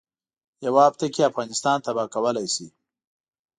یوه هفته کې افغانستان تباه کولای شي.